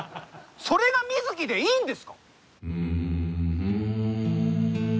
それが「ミズキ」でいいんですか？